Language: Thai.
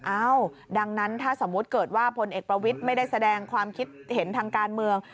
อ้าวดังนั้นถ้าสมมุติเกิดว่าพลเอกประวิทย์ไม่ได้แสดงความคิดเห็นทางการเมือง